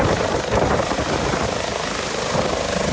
สวัสดีครับ